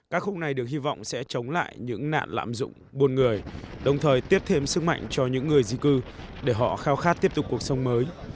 các khúc này được hy vọng sẽ chống lại những nạn lạm dụng buôn người đồng thời tiếp thêm sức mạnh cho những người di cư để họ khao khát tiếp tục cuộc sống mới